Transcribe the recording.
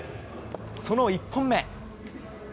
その１本目。